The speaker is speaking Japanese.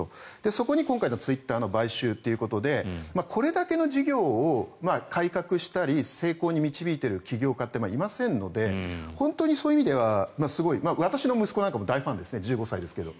そこで今回のツイッターの買収ということでこれだけの事業を改革したり成功に導いている起業家っていませんので本当にそういう意味ではすごい私の息子なんかも大ファンですね１５歳ですけど。